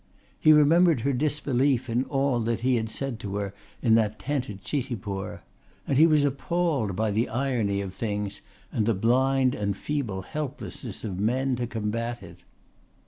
He remembered her disbelief in all that he had said to her in that tent at Chitipur; and he was appalled by the irony of things and the blind and feeble helplessness of men to combat it.